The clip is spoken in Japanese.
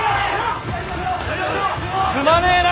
すまねぇな。